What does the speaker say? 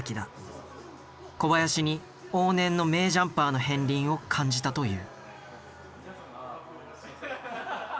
小林に往年の名ジャンパーの片りんを感じたという。